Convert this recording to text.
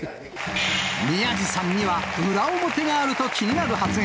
宮治さんには裏表があるときになる発言。